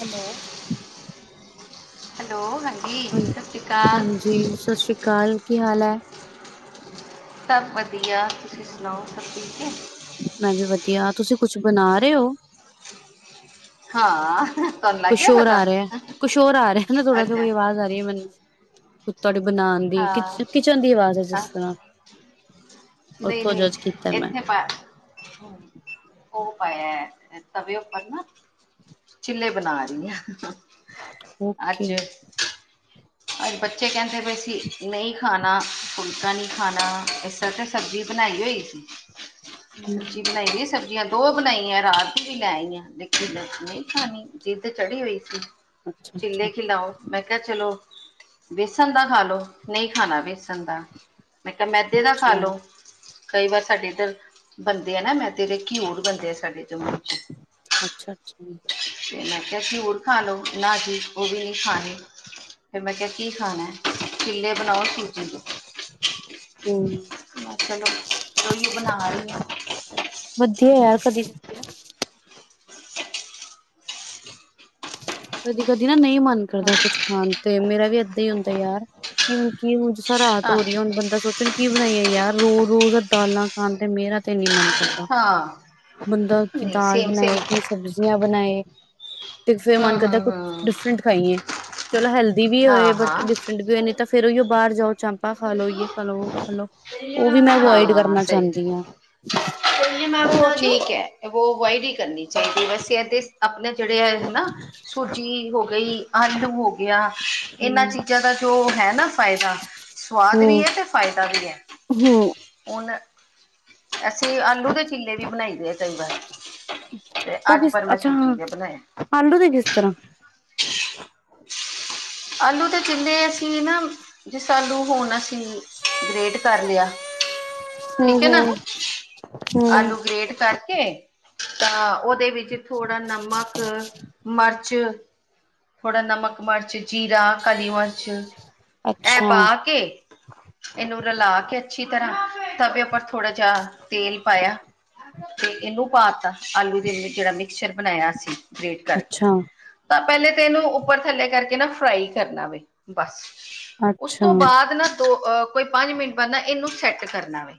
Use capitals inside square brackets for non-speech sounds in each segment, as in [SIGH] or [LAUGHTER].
Hello [INAUDIBLE] hello ਹਾਂ [UNINTELLIGIBLE] ਹਾਂਜੀ ਸਤਿ ਸ਼੍ਰੀ ਅਕਾਲ, ਕੀ ਹਾਲ ਐ? ਸਭ ਵਧੀਆ, ਤੁਸੀਂ ਸੁਣਾਓ ਸਭ ਠੀਕ ਏ? ਮੈਂ ਵੀ ਵਧੀਆ, ਤੁਸੀਂ ਕੁਛ ਬਣਾ ਰਹੇ ਓ? ਹਾਂ, ਤੁਹਾਨੂੰ ਲੱਗ ਕੁਛ ਗਿਆ ਹੋਰ ਪਤਾ ਆ ਰਿਹਾ ਕੁਛ ਹੋਰ ਆ ਰਿਹਾ, ਨਾ ਥੋੜਾ ਜਿਹਾ ਅੱਛਾ ਕੋਈ ਆਵਾਜ਼ ਆ ਰਹੀ ਹੈ ਮੈਨੂੰ ਕੁੱਕੜ ਬਣਾਉਣ ਦੀ, ਕਿ ਹਾਂ ਕਿਚਨ ਦੀ ਆਵਾਜ਼ ਹੈ ਜਿਸ ਤਰ੍ਹਾਂ ਉੱਥੋਂ ਨਹੀਂ-ਨਹੀਂ ਜੱਜ ਕੀਤਾ ਮੈਂ ਇਥੇ ਉਹ ਪਾਇਆ ਤਵੇ ਉਪਰ ਨਾ ਚਿੱਲੇ ਬਣਾ ਰਹੀ ਆ। ਓਕੇ, ਅੱਜ ਬੱਚੇ ਕਹਿੰਦੇ ਵੀ ਅਸੀ ਨਹੀਂ ਖਾਣਾ, ਫੁਲਕਾ ਨਹੀਂ ਖਾਣਾ ਇਸ ਤਰ ਤੇ, ਸਬਜ਼ੀ ਬਣਾਈ ਹੋਈ ਸੀ। [UNINTELLIGIBLE] ਸਬਜ਼ੀ ਬਣਾਈ ਦੀ ਸਬਜ਼ੀਆਂ, ਦੋ ਬਣਾਈਆ ਰਾਤ ਵੀ ਲੈ ਆਈ ਆ। ਮਿੱਠੀ ਲੱਸੀ ਨਈ ਖਾਣੀ ਜਿੱਦ ਚੜੀ ਹੋਈ ਸੀ, ਅੱਛਾ ਅੱਛਾ ਚਿੱਲੇ ਖਿਲਾਓ ਮੈਂ ਕਿਹਾ ਚਲੋ। ਬੇਸਣ ਦਾ ਖਾਲੋ ਨਈ ਖਾਣਾ ਬੇਸਣ ਦਾ, ਮੈਂ ਕਿਹਾ ਮੈਦੇ ਦਾ ਅੱਛਾ ਖਾਲੋ। ਕਈ ਵਾਰ ਸਾਡੇ ਇੱਧਰ ਬੰਦੇ ਆ, ਨਾ ਮੈਂ ਤੇਰੇ ਘਿਊੂਰ ਬੰਦੇ ਆ ਸਾਡੇ ਜਮੂ ਚ ਅੱਛਾ, ਅੱਛਾ। ਮੈ ਕਿਹਾ ਸੀ ਘੀਊਰ ਖਾਲੋ, ਨਾ ਜੀ ਉਹ ਵੀ ਨਹੀਂ ਖਾਨੇ। ਫਿਰ ਮੈਂ ਕਿਹਾ ਕੀ ਖਾਣਾ, ਚੀਲੇ ਬਣਾਓ ਸੂਜੀ ਤੋਂ ਹਮ ਚਲੋ ਉਹੀਓ ਬਣਾ ਰਹੀ ਆ। ਵਧੀਆ ਯਾਰ ਕਦੀ, ਕਦੀ, ਕਦੀ ਨਾ ਨਹੀਂ ਮਨ ਕਰਦਾ, ਕੁੱਝ ਹੂੰ, ਖਾਣ ਤੇ ਮੇਰਾ ਵੀ ਇਦਾਂ ਹੀ ਹੁੰਦਾ ਯਾਰ ਕਿ ਹੁਣ ਕੀ ਹ ਰਾਤ ਹਾਂ ਹੋ ਰਹੀ ਹੈ, ਹੁਣ ਬੰਦਾ ਸੋਚਣ ਕੀ ਬਣਾਈਆ ਯਾਰ ਰੋਜ਼ ਰੋਜ਼ ਦਾਲਾਂ ਖਾਣ ਤੇ ਮੇਰਾ ਤੇ ਨੀ ਮੰਨਦਾ। ਦਾ ਹਾਂ ਬੰਦਾ ਕੀ ਨਹੀਂ ਦਾਲ ਸੇਮ ਸੇਮ ਬਣਾਏ ਕਿ ਸਬਜ਼ੀਆਂ ਬਣਾਏ ਤੇ ਫੇਰ ਹੂੰ ਮਨ ਕਰਦਾ ਹੂੰ ਕੁਛ ਹੂੰ ਡਿਫਰੈਂਟ ਖਾਈਏ, ਚਲੋ ਹੈਲਦੀ ਵੀ ਹੋਏ, ਹਾਂ ਬਟ ਹਾਂ ਡਿਫਰੈਂਟ ਵੀ ਹੋਏ ਨਹੀਂ ਤਾਂ ਫੇਰ ਉਹੀ ਬਾਹਰ ਜਾਓ। ਚਾਮਪਾ ਖਾਲੋ ਯੋ ਖਾਲੋ ਉਹ ਖਾਲੋ, ਉਹ ਵੀ ਮੈਂ ਹਾਂ ਅਵੋਇਡ ਹਾਂ ਕਰਨਾ ਚਾਹੁੰਦੀ ਹਾਂ। ਮੈ ਠੀਕ ਹੈ, ਅਵਾਇਡ ਹੀ ਕਰਨੀ ਚਾਹੀਦੀ ਹੈ, ਵੈਸੇ ਇਹਦੇ ਆਪਣੇ ਜਿਹੜੇ ਹੈ। ਨਾ ਸੂਜੀ ਹੋ ਗਈ, ਆਲੂ ਹੋ ਗਿਆ ਇਹਨਾਂ ਹੂੰ ਚੀਜ਼ਾਂ ਦਾ ਜੋ ਹੈ, ਨਾ ਫਾਇਦਾ। ਸਵਾਦ ਵੀ ਹੂੰ ਹੈ, ਅਤੇ ਫਾਇਦਾ ਵੀ ਹੈ ਹੂੰ ਹੁਣ ਅਸੀਂ ਆਲੂ ਦੇ ਚਿਲੇ ਵੀ ਬਣਾਈ ਦੇ ਆ ਕਈ ਵਾਰ, ਤੇ ਉਹ ਅੱਜ ਕਿਸ ਪਰ ਮੈਂ ਅੱਛਾ ਹਾਂ ਸੂਜੀ ਤੇ ਬਣਾਏ। ਆਲੂ ਤੇ ਕਿਸ ਤਰ੍ਹਾਂ? [INAUDIBLE] ਆਲੂ ਤਾਂ ਕਹਿੰਦੇ ਅਸੀਂ ਨਾ ਜਿਸਿਸ ਆਲੂ ਹੁਣ ਅਸੀਂ ਗ੍ਰੇਟ ਕਰ ਲਿਆ ਹੂੰ ਠੀਕ ਹੈ ਨਾ ਹੂੰ ਹੂੰ ਆਲੂ ਗ੍ਰੇਟ ਕਰ ਤਾਂ ਉਹਦੇ ਵਿੱਚ ਥੋੜਾ ਨਮਕ, ਮਿਰਚ। ਥੋੜਾ ਨਮਕ, ਮਿਰਚ, ਜੀਰਾ, ਕਾਲੀ ਮਿਰਚ, ਇਹ ਅੱਛਾ ਪਾ ਕੇ, ਇਹਨੂੰ ਰਲਾ ਕੇ ਅੱਛੀ ਤਰ੍ਹਾਂ ਤਵੇ ਉੱਪਰ ਥੋੜਾ ਜਿਹਾ ਤੇਲ ਪਾਇਆ। ਤੇ ਇਹਨੂੰ ਪਾਤਾ ਆਲੂ ਦਾ ਜਿਹੜਾ ਮਿਕਚਰ ਬਣਾਇਆ ਸੀ। ਗ੍ਰੇਟ ਕਰਕੇ, ਅੱਛਾ ਤਾਂ ਪਹਿਲੇ ਤਾਂ ਇਹਨੂੰ ਉੱਪਰ ਥੱਲੇ ਕਰਕੇ ਨਾ ਫਰਾਈ ਕਰਨਾ ਵੇ ਬਸ ਉਸ ਅੱਛਾ ਤੋਂ ਬਾਅਦ ਨਾ ਦੋ ਅਹ ਕੋਈ, ਪੰਜ ਮਿੰਟ ਬਾਅਦ ਨਾ ਇਹਨੂੰ ਸੈੱਟ ਕਰਨਾ ਵੇ।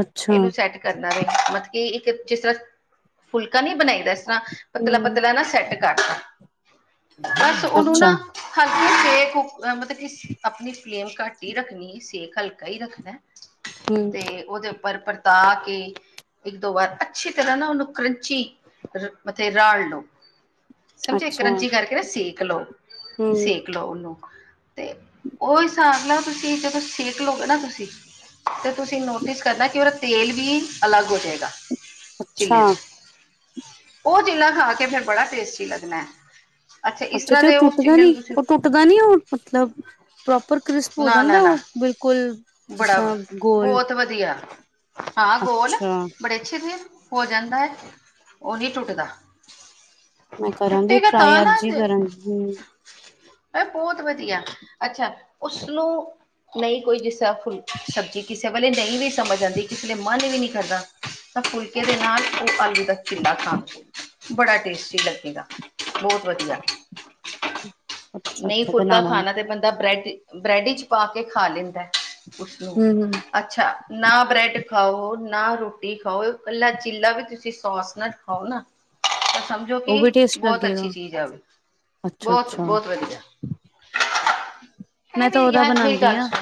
ਅੱਛਾ ਇਹਨੂੰ ਸੈਟ ਕਰਨਾ ਵੇ ਮਤਲਬ ਕੀ ਇੱਕ ਜਿਸ ਤਰ੍ਹਾਂ ਫੁਲਕਾ ਨਹੀਂ ਬਣਾਈ ਦਾ, ਇਸ ਤਰ੍ਹਾਂ ਹੂੰ ਪਤਲਾ-ਪਤਲਾ ਨਾ ਸੈੱਟ ਕਰਤਾ। ਬਸ ਉਹਨੂੰ ਅੱਛਾ ਨਾ, ਹਲਕੀ ਸੇਕ ਮਤਲਬ ਕਿ, ਆਪਣੀ ਫਲੇਮ ਘੱਟ ਹੀ ਰੱਖਣੀ ਸੇਕ ਹਲਕਾ ਹੀ ਰੱਖਣਾ। ਹੂੰ ਤੇ ਉਹਦੇ ਉੱਪਰ ਪਰਤਾ ਕੇ ਇੱਕ ਦੋ ਵਾਰ ਅੱਛੀ ਤਰ੍ਹਾਂ ਨਾ ਉਹਨੂੰ ਕਰੰਚੀ ਮਥੇ ਰਾਲ ਲਉ ਸਮਝੋ ਇੱਕ ਅੱਛਾ ਰੰਜੀ ਕਰਕੇ ਨਾ ਸੇਕ ਲਓ ਹੂੰ ਸੇਕ ਲਓ ਉਹਨੂੰ ਤੇ ਉਹ ਹਿਸਾਬ ਨਾਲਓ ਤੁਸੀਂ ਜਦੋਂ ਸਿੱਖ ਲਓਗੇ ਨਾ ਤੁਸੀਂ ਤੇ ਤੁਸੀਂ ਨੋਟਿਸ ਕਰਨਾ ਕਿ ਉਹਦਾ ਤੇਲ ਵੀ ਅਲੱਗ ਹੋ ਜਾਏਗਾ ਚਿੱਲੇ ਅੱਛਾ ਤੋਂ ਉਹ ਚਿੱਲਾ ਖਾ ਕੇ ਫੇਰ ਬੜਾ ਟੇਸਟੀ ਲੱਗਣਾ ਹੈ ਇਸ ਅੱਛਾ ਤਰ੍ਹਾਂ ਤੇ ਉਹ ਦੇ ਉਸ ਟੁੱਟਦਾ ਚਿੱਲੇ ਨੀ? ਨੂੰ ਉਹ ਤੁਸੀਂ ਟੁੱਟਦਾ ਨੀ ਉਹ ਮਤਲਬ ਪ੍ਰੋਪਰ ਕ੍ਰਿਸਪ ਹੋ ਨਾ ਜਾਂਦਾ ਨਾ ਹੈ ਨਾ ਉਹ ਬਿਲਕੁਲ ਬੜਾ ਜਿਸਸਾਂ ਗੋਲ ਬਹੁਤ ਵਧੀਆ ਹਾਂ ਗੋਲ, ਅੱਛਾ ਬੜੇ ਅੱਛੇ ਤੇ ਹੋ ਜਾਂਦਾ ਹੈ ਉਹ ਨਹੀਂ ਟੁੱਟਦਾ ਮੈਂ ਕਰਾਂਗੀ ਟੁੱਟੇਗਾ ਤਾਂ ਟਰਾਈ ਨਾ ਅੱਜ ਹੀ ਇਹ ਕਰਾਂਗੀ ਬਹੁਤ ਵਧੀਆ, ਅੱਛਾ ਉਸਨੂੰ ਨਹੀਂ ਕੋਈ ਜਿਸ ਚਾਹਫੁਲ ਸਬਜ਼ੀ ਕਿਸੇ ਵੇਲੇ ਨਹੀਂ ਵੀ ਸਮਝ ਆਉਂਦੀ ਕਿਸੇ ਲਈ ਮਨ ਵੀ ਨਹੀ ਕਰਦਾ। ਤਾਂ ਫੁਲਕੇ ਦੇ ਨਾਲ ਉਹ ਆਲੂ ਦਾ ਚਿੱਲਾ ਖਾਣ ਬੜਾ ਟੇਸਟੀ ਲੱਗੇਗਾ। ਬਹੁਤ ਵਧੀਆ ਅੱਛਾ ਨਹੀਂ ਅੱਛਾ ਫੁਲਕਾ ਬਣਾਵਾਂਗੀ ਖਾਣਾ ਤੇ ਬੰਦਾ ਬ੍ਰੈਡ ਬ੍ਰੈਡ ਵਿੱਚ ਪਾ ਕੇ ਖਾ ਲੈਂਦਾ ਖੁੱਸ ਰਹੋ ਹੂੰ ਹੂੰ ਅੱਛਾ ਨਾ ਬ੍ਰੈਡ ਖਾਓ, ਨਾ ਰੋਟੀ ਖਾਓ, ਇਕੱਲਾ ਚੀਲਾ ਵੀ ਤੁਸੀਂ ਸੋਸ ਨਾਲ ਖਾਓ ਨਾ ਤਾਂ ਸਮਝੋ ਉਹ ਵੀ ਕਿ ਟੇਸਟ ਬਹੁਤ ਅੱਛੀ ਲੱਗੇਗਾ ਚੀਜ਼ ਹੈ ਉਹ ਵੀ ਅੱਛਾ ਬਹੁਤ ਅੱਛਾ ਬਹੁਤ ਵਧੀਆ, ਮੈਂ ਇਹ ਵੀ ਤਾਂ ਉਹਦਾ ਯਾਰ ਮੇਰੀ ਬਣਾਉਂਦੀ ਗੱਲ ਹਾਂ ਸੁਣ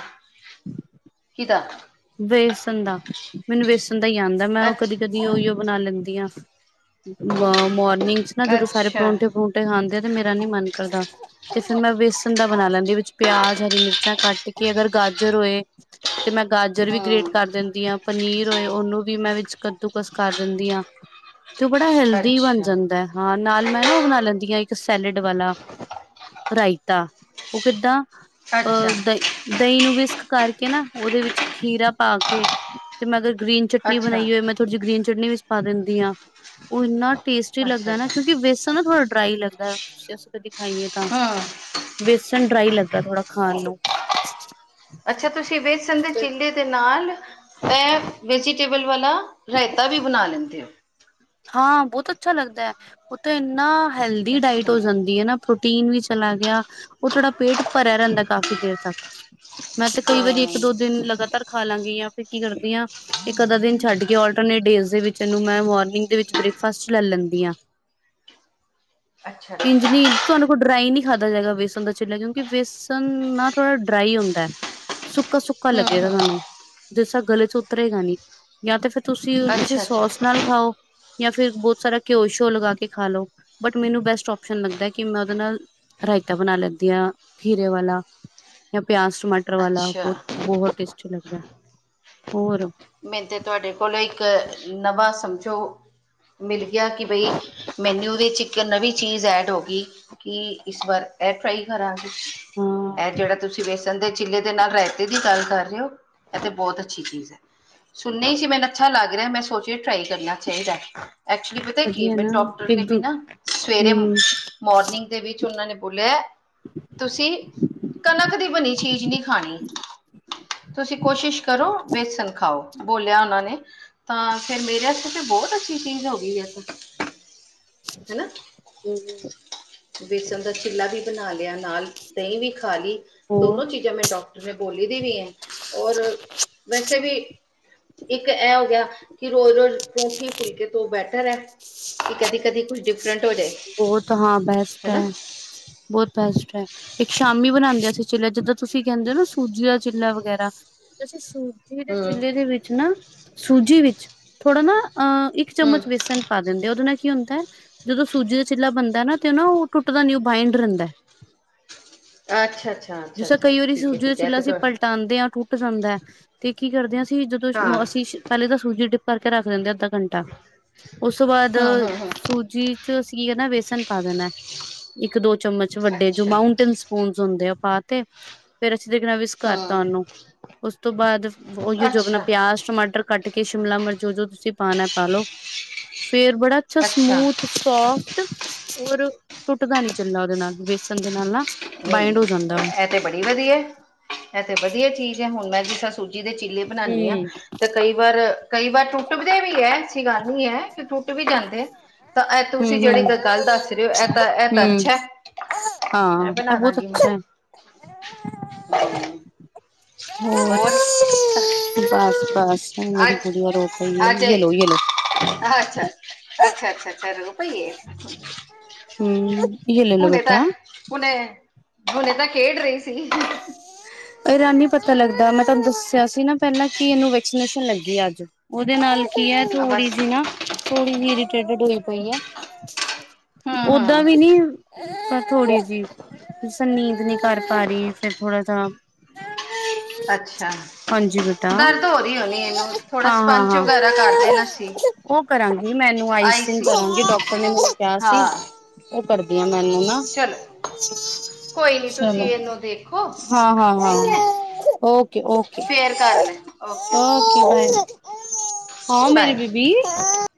ਕਿਦਾ ਵੇਸਣ ਦਾ। ਮੈਨੂੰ ਵੇਸਣ ਦਾ ਹੀ ਆਉਂਦਾ ਹੈ, ਮੈਂ ਉਹ ਕਦੀ ਅੱਛਾ ਕਦੀ ਉਹ ਹੀ ਬਣਾ ਲੈਂਦੀ ਹਾਂ। ਮੋਰਨਿੰਗ ਚ ਨਾ ਜਦੋਂ ਸਾਰੇ ਅੱਛਾ ਪਰੌਂਠੇ ਪਰੁੰਂਠੇ ਖਾਂਦੇ ਆ ਤੇ ਮੇਰਾ ਨੀ ਮਨ ਕਰਦਾ। ਤੇ ਫਿਰ ਮੈਂ ਵੇਸਨ ਦਾ ਬਣਾ ਲੈਂਦੀ ਵਿੱਚ ਪਿਆਜ਼, ਹਰੀ ਮਿਰਚਾਂ ਕੱਟ ਕੇ ਅਗਰ ਗਾਜਰ ਹੋਏ ਤੇ ਮੈਂ ਗਾਜਰ ਵੀ ਗ੍ਰੇਟ ਹੂੰ ਕਰ ਦਿੰਦੀ ਆ, ਪਨੀਰ ਹੋਏ ਉਹਨੂੰ ਵੀ ਮੈਂ ਵਿੱਚ ਕੱਦੂਕਸ ਕਰ ਦਿੰਦੀ ਹਾਂ। ਤੇ ਉਹ ਬੜਾ ਹੈਲਦੀ ਬਣ ਅੱਛਾ ਜਾਂਦਾ ਹੈ। ਹਾਂ ਨਾਲ ਮੈਂ ਨਾ ਉਹ ਬਣਾ ਲੈਂਦੀ ਹਾਂ ਇੱਕ ਸੈਲਡ ਵਾਲਾ ਰਾਇਤਾ। ਉਹ ਕਿੱਦਾਂ [UNINTELLIGIBLE] ਅੱਛਾ ਅੱਛਾ ਦਹੀਂ ਨੂੰ ਵਿਕਸ ਕਰਕੇ ਨਾ ਉਹਦੇ ਵਿੱਚ ਖੀਰਾ ਪਾ ਕੇ ਤੇ ਮੈਂ ਅਗਰ ਗ੍ਰੀਨ ਚਟਨੀ ਅੱਛਾ ਬਣਾਈ ਹੋਏ ਮੈਂ ਥੋੜ੍ਹੀ ਜਿ ਗਰੀਨ ਚਟਨੀ ਵਿੱਚ ਪਾ ਦਿੰਦੀ ਆ, ਉਹ ਇੰਨਾ ਟੇਸਟੀ ਅੱਛਾ ਲੱਗਦਾ ਨਾ ਕਿਉਂਕਿ ਵੇਸਣ ਨਾ ਥੋੜਾ ਡਰਾਈ ਲੱਗਦਾ ਕਦੀ ਖਾਈਏ ਤਾਂ ਹੂੰ ਬੇਸਣ ਡਰਾਈ ਲੱਗਦਾ ਥੋੜ੍ਹਾ ਖਾਣ ਨੂੰ ਅੱਛਾ ਤੁਸੀਂ ਵੇਸਨ ਦੇ ਤੇ ਚਿਲੇ ਦੇ ਨਾਲ ਇਹ ਵੈਜੀਟੇਬਲ ਵਾਲਾ ਰਾਇਤਾ ਵੀ ਬਣਾ ਲੈਂਦੇ ਹੋ ਹਾਂ ਬਹੁਤ ਅੱਛਾ ਲੱਗਦਾ ਹੈ, ਉਹ ਤੇ ਇੰਨਾ ਹੈਲਦੀ ਡਾਇਟ ਅੱਛਾ ਹੋ ਜਾਂਦੀ ਹੈ ਨਾ ਪ੍ਰੋਟੀਨ ਵੀ ਚਲਾ ਗਿਆ, ਉਹ ਥੋੜ੍ਹਾ ਪੇਟ ਭਰਿਆ ਰਹਿੰਦਾ ਕਾਫ਼ੀ ਦੇਰ ਤੱਕ ਮੈਂ ਤੇ ਕਈ ਵਾਰੀ ਇੱਕ ਹੂੰ ਦੋ ਦਿਨ ਲਗਾਤਾਰ ਖਾਲਾਗੀ ਜਾਂ ਫਿਰ ਕੀ ਕਰਦੀ ਹਾਂ ਇੱਕ ਅੱਧਾ ਦਿਨ ਛੱਡ ਕੇ ਆਲਟਰਨੇਟ ਡੇਜ ਦੇ ਵਿੱਚ ਇਹਨੂੰ ਮੈਂ ਮੋਰਨਿੰਗ ਦੇ ਵਿੱਚ ਬ੍ਰੇਕਫਾਸਟ ਲੈ ਲੈਂਦੀ ਆਂ, ਅੱਛਾ ਅੱਛਾ ਇੰਜਨੀ ਤੁਹਾਨੂੰ ਕੋਲ ਡਰਾਈ ਨਹੀ ਖਾਧਾ ਜਾਏਗਾ ਵੇਸਨ ਦਾ ਚਿਲਾ, ਕਿਉਂਕਿ ਵੇਸਣ ਨਾ, ਥੋੜ੍ਹਾ ਡਰਾਈ ਹੁੰਦਾ। ਸੁੱਕਾ-ਸੁੱਕਾ ਹੂੰ ਲੱਗੇਗਾ ਹੂੰ ਤੁਹਾਨੂੰ, ਜਿਸਸਾ ਗਲੇ'ਚੋ ਉਤਰੇਗਾ ਨੀ ਯਾ ਤਾਂ ਫਿਰ ਤੁਸੀਂ, ਕਿਸੇ ਅੱਛਾ ਅੱਛਾ ਸੋਸ ਨਾਲ ਖਾਓ। ਜਾਂ ਫਿਰ ਬਹੁਤ ਸਾਰਾ ਘਿਓ ਸ਼ਿਓ ਲਗਾ ਕੇ ਖਾ ਲਓ ਬਟ ਮੈਨੂੰ ਬੈਸਟ ਓਪਸ਼ਨ ਲੱਗਦਾ ਕਿ ਮੈਂ ਉਹਦੇ ਨਾਲ ਰਾਇਤਾ ਬਣਾ ਲੈਂਦੀ ਹਾਂ ਖੀਰੇ ਵਾਲਾ ਜਾਂ ਪਿਆਜ਼ ਟਮਾਟਰ ਮਟਰ ਵਾਲਾ ਅੱਛਾ ਬਹੁਤ ਬਹੁਤ ਟੇਸਟੀ ਲੱਗਦਾ। ਹੋਰ ਮੈਨੂੰ ਤਾਂ ਤੁਹਾਡੇ ਕੋਲੋਂ ਇੱਕ ਨਵਾਂ ਸਮਝੋ ਮਿਲ ਗਿਆ ਕਿ, ਬਈ ਮੈਨਿਊ ਵਿੱਚ ਇੱਕ ਨਵੀਂ ਚੀਜ਼ ਐਡ ਹੋ ਗਈ ਕਿ ਇਸ ਵਾਰ ਇਹ ਫਰਾਈ ਕਰਾਂਗੇ, ਹਾਂ ਇਹ ਜਿਹੜਾ ਤੁਸੀਂ ਵੈਸੇ ਦਦੇ ਚਿੱਲੇ ਦੇ ਨਾਲ ਰਾਇਤੇ ਦੀ ਗੱਲ ਕਰ ਰਹੇ ਹੋ, ਇਹ ਤੇ ਬਹੁਤ ਅੱਛੀ ਚੀਜ਼ ਹੈ। ਸੁਣਾ ਹੀ ਸੀ ਮੈਨੂੰ ਅੱਛਾ ਲੱਗ ਰਿਹਾ, ਮੈਂ ਸੋਚ ਟਰਾਈ ਕਰਨਾ ਚਾਹੀਦਾ ਐਚੁਲੀ ਪਤਾ ਕੀ ਵਧੀਆ ਮੈਨੂੰ ਨਾ ਡਾਕਟਰ ਇੱਕ ਨੇ ਵੀ ਦੂ ਨਾ ਸਵੇਰੇ ਹੂੰ ਮੋਰਨਿੰਗ ਦੇ ਵਿੱਚ ਉਹਨਾਂ ਨੇ ਬੋਲਿਆ ਤੁਸੀ ਕਨਕ ਦੀ ਬਣੀ ਚੀਜ਼ ਨਹੀ ਖਾਣੀ। ਤੁਸੀਂ ਕੋਸ਼ਿਸ਼ ਕਰੋ, ਵੇਸਣ ਖਾਓ। ਬੋਲਿਆ ਉਹਨਾਂ ਨੇ। ਤਾਂ ਫਿਰ, ਮੇਰੇ ਆਸਤੇ ਤੇ, ਬਹੁਤ ਅੱਛੀ ਚੀਜ਼ ਹੋ ਗਈ ਇਸ ਹੂੰ ਵੇਸਣ ਦਾ ਚਿੱਲਾ ਵੀ ਬਣਾ ਲਿਆ ਨਾਲ, ਦਹੀਂ ਵੀ ਖਾਲੀ ਹੋਰ ਦੋਨੋਂ ਚੀਜ਼ਾਂ ਮੈਂ ਡਾਕ ਮੈਂ, ਬੋਲੀ ਦੀ ਵੀ ਹੈ, ਔਰ ਵੈਸੇ ਵੀ ਇੱਕ ਐ ਹੋ ਗਿਆ, ਕਿ ਰੋਜ਼- ਰੋਜ਼ ਪਰੌਠੀ, ਫੁਲਕੇ ਤੋਂ ਬੈਟਰ ਐ। ਕਦੀ-ਕਦੀ। ਬਹੁਤ ਹਾਂ ਬੈਸਟ ਹਨਾ ਹੈ, ਬਹੁਤ ਬੈਸਟ ਐ। ਇੱਕ ਸ਼ਾਮੀ ਬਣਾਂਦੇ ਅਸੀਂ ਚਿੱਲਾ, ਜਿੱਦਾਂ ਤੁਸੀਂ ਕਹਿੰਦੇ ਹੋ ਨਾ ਸੂਜੀ ਦਾ ਚਿੱਲਾ ਵਗੈਰਾ ਤੇ, ਅਸੀਂ ਸੂ ਜਿਹਦੇ ਹਮ ਚਿੱਲੇ ਦੇ ਵਿੱਚ ਨਾ, ਸੂਜੀ ਵਿੱਚ, ਥੋੜ੍ਹਾ ਨਾ ਅਹ ਇੱਕ ਹਮ ਚੱਮਚ ਵੇਸਣ ਪਾ ਦਿੰਦੇ। ਉਹਦੇ ਨਾਲ ਕੀ ਹੁੰਦਾ ਹੈ? ਜਦੋਂ ਸੂਜੀ ਦਾ ਚਿੱਲਾ ਬਣਦਾ ਨਾ ਤੇ, ਉਹ ਨਾ, ਉਹ ਟੁੱਟਦਾ ਨੀ ਉਹ ਬਾਇੰਡ ਰਹਿੰਦਾ। ਅੱਛਾ-ਅੱਛਾ-ਅੱਛਾ- ਅੱਛਾ, ਠੀਕ ਹੈ, ਠੀਕ ਹੈ, ਐ ਤੁਹਾ ਤਾਂਂਦੇ ਹਾਂ ਟੁੱਟ ਜਾਂਦਾ, ਤੇ ਕੀ ਕਰਦੇ ਹਾਂ ਅਸੀਂ, ਜਦੋਂ ਹਾਂ ਅਸੀਂ ਪਹਿਲੇ ਤਾ ਸੂਜੀ ਡਿਪ ਕਰਕੇ ਰੱਖ ਦਿੰਦੇ ਅੱਧਾ ਘੰਟਾ, ਉਸ ਤੋਂ ਬਾਅਦ ਹਮ ਹਮ ਹਮ ਸੂਜੀ'ਚ ਅ ਅਸੀ ਨਾ ਵੇਸਨ ਪਾ ਦੇਣਾ, ਇੱਕ-ਦੋ ਚਮਚ ਵੱਡੇ ਜੋ, ਅੱਛਾ ਮਾਊਂਂਟੇਨ ਫੂਨਸ ਹੁੰਦੇ ਆ, ਓ ਪਾਤੇ ਫਿਰ ਅਸੀਂ ਦੇਖਣਾ ਵਿਸ ਕਰਤਾ ਹੂੰ ਉਹਨੂੰ, ਉਸ ਤੋਂ ਬਾਅਦ ਉਹੀ ਜੋ ਆਪਣਾ ਅੱਛਾ ਪਿਆਜ਼, ਟਮਾਟਰ ਕੱਟਕੇ ਸ਼ਿਮਲਾ ਮਿਰਚ ਜੋ, ਜੋ ਤੁਸੀਂ ਪਾਣਾ ਪਾਲੋ, ਫਿਰ ਬੜਾ ਅੱਛਾ, ਸਮੂਥ ਸੌਫਟ ਔਰ ਟੁੱਟਦਾ ਨੀ ਚਿੱਲਾ ਉਹਦੇ ਨਾਲ, ਵੇਸਣ ਦੇ ਨਾਲ ਨਾ। ਬਾਈੰਡ ਨਹੀਂ ਹੋ ਜਾਂਦਾ ਉਹ ਐ ਤੇ, ਬੜੀ ਵਧੀਆ, ਐ ਤੇ ਵਧੀਆ ਚੀਜ਼ ਹੈ, ਹੁਣ ਮੈਂ ਜੀ ਸੂ ਜਿਹਦੇ ਚਿੱਲੇ ਬਣਾਨੀ ਆ, ਹੂੰ ਤੇ ਕਈ ਵਾਰ, ਕਈ ਵਾਰ ਟੁੱਟਦੇ ਵੀ ਹੈ। ਗੱਲ ਨੀ ਹੈ, ਕਿ ਟੁੱਟ ਵੀ ਜਾਂਦੇ। ਤਾ, ਐ, ਤੁਸੀਂ ਜਿਹੜੀ ਹੂੰ-ਹੂੰ, ਗੱਲ ਦੱਸ ਰਹੇ ਹੋ, ਐ, ਤਾ, ਐ, ਤਾ ਹੂੰ ਅੱਛਾ ਏ। ਹਾਂ, ਐ ਬਹੁਤ ਅੱਛਾ ਹੈ। ਹੂੰ ਹੋਰ, ਔਰ ਬਸ-ਬਸ ਮੇਰੀ ਗੁੜੀਆ ਰੋ ਪਈ ਏ, ਯੇਲੋ, ਯੇਲੋ। ਅੱਛਾ-ਅੱਛਾ, ਅੱਛਾ-ਅੱਛਾ ਰੋ, ਪਈ ਏ? ਹੂੰ। ਯੇ ਲੈ ਹੁਣੇ ਤਾਂ, ਹੁਣੇ, ਹੁਣੇ ਤਾਂ ਖੇਡ ਰਹੀ ਸੀ। ਇਹਰਾਨੀ ਪਤਾ ਲੱਗਦਾ 'ਮੈਂ ਤੁਹਾਨੂੰ ਦੱਸਿਆ ਸੀ ਨਾ, ਪਹਿਲਾਂ ਕਿ ਇਹਨੂੰ ਵੈਕਸੀਨੇਸ਼ਨ ਲੱਗੀ ਅੱਜ। ਉਹਦੇ ਨਾਲ ਕੀ ਹੈ ਥੋੜ੍ਹੀ ਬਸ ਜਿਹੀ ਨਾ, ਥੋੜ੍ਹੀ ਜਿਹੀ ਇਰੀਟੇਟਡ ਹੋਈ ਪਈ ਹੈ। ਹੂੰ ਓਦਾਂ ਹੂੰ ਵੀ ਨੀ, ਪਰ ਥੋੜੀ ਜਿਹੀ ਸੰ ਨੀਂਦ ਨੀ ਕਰ ਭਾਰੀ ਫਿਰ ਥੋੜਾ ਜਾ ਅੱਛਾ। ਹਾਂਜੀ ਬੇਟਾ, ਦਰਦ ਹੋ ਰਹੀ ਹੋਣੀ ਇਹਨੂੰ ਥੋੜਾ ਹਾਂ, ਹਾਂ, ਸਪੰਚ ਹਾਂ। ਵਗੈਰਾ ਕਰ ਦੇਣਾ ਸੀ ਉਹ ਕਰਾਂਗੀ ਮੈਨੂੰ ਆਈ ਆਈਸਨ ਸੀ ਕਰਾਂਗੀ, ਡਾਕਟਰ ਨੇ ਮੈਨੂੰ ਕਿਹਾ ਸੀ। ਉਹ ਕਰਦੀਆਂ ਮੈਨੂੰ ਨਾ। ਚਲ, ਕੋਈ ਨੀ ਤੁਸੀਂ। ਚਲੋ ਨੂੰ ਦੇਖੋ ਹਾਂ ਹਾਂ ਹਾਂ ਠੀਕ ਹੈ, ਓਕੇ ਓਕੇ ਫੇਰ ਕਰ ਲਈ ਓਕੇ ਓਕੇ। ਹਾਂ, ਮੇਰੀ ਬਾਏ ਬੇਬੀ।